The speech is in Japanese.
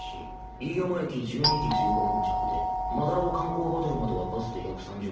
飯山駅１２時１５分着で斑尾観光ホテルまではバスで約３０分。